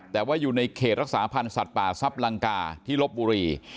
แต่ว่าอยู่ในเขตรักษาพันธ์สัตว์ป่าซับลังกาที่ลบบุรี